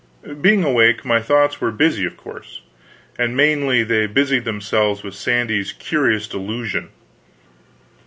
Being awake, my thoughts were busy, of course; and mainly they busied themselves with Sandy's curious delusion.